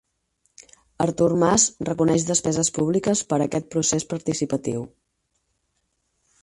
Artur Mas reconeix despeses públiques per a aquest procés participatiu